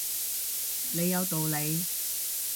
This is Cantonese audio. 你有道理